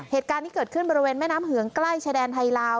เหตุการณ์ที่เกิดขึ้นบริเวณแม่น้ำเหืองใกล้ชายแดนไทยลาว